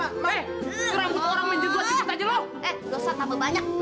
kurang buat orang menjenguk cepet aja lu